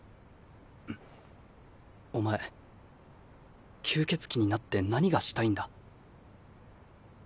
お前吸血鬼になって何がしたいんだ？